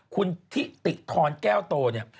คุณทิติธรแก้วโตเนี่ย